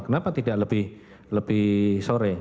kenapa tidak lebih sore